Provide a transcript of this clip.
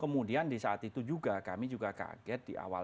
kemudian di saat itu juga kami juga kaget di awal